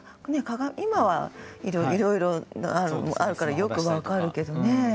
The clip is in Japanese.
今はいろいろあるからよく分かるけどね。